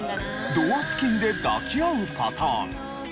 ドア付近で抱き合うパターン。